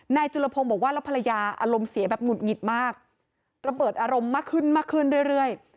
จุลพงศ์บอกว่าแล้วภรรยาอารมณ์เสียแบบหงุดหงิดมากระเบิดอารมณ์มากขึ้นมากขึ้นเรื่อย